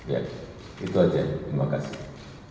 ya itu aja terima kasih